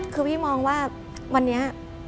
คือพี่มองว่าวันนี้